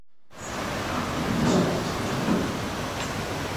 港尾里守望相助隊